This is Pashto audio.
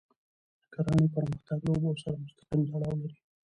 د کرهڼې پرمختګ له اوبو سره مستقیم تړاو لري.